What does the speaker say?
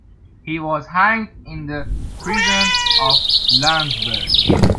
He was hanged in the prison of Landsberg.